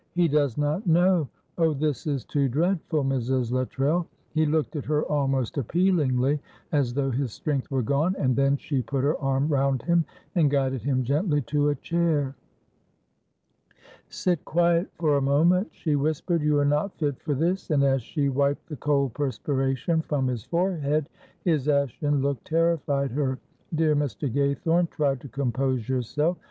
"He does not know. Oh, this is too dreadful, Mrs. Luttrell!" He looked at her almost appealingly, as though his strength were gone, and then she put her arm round him and guided him gently to a chair. "Sit quiet for a moment," she whispered; "you are not fit for this." And as she wiped the cold perspiration from his forehead, his ashen look terrified her. "Dear Mr. Gaythorne, try to compose yourself.